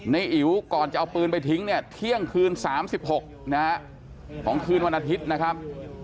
อิ๋วก่อนจะเอาปืนไปทิ้งเนี่ยเที่ยงคืน๓๖นะฮะของคืนวันอาทิตย์นะครับ